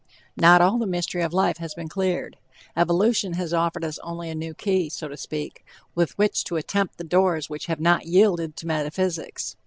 Not all the mystery of life has been cleared. Evolution has offered us only a new key, so to speak, with which to attempt the doors which have not yielded to metaphysics.